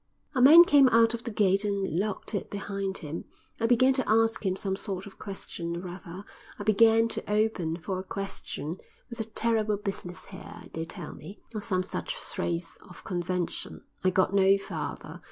A man came out of the gate and locked it behind him. I began to ask him some sort of question, or rather, I began to "open" for a question with "A terrible business here, they tell me," or some such phrase of convention. I got no farther.